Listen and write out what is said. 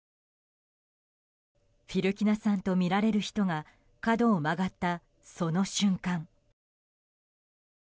フィルキナさんとみられる人が角を曲がった、その瞬間。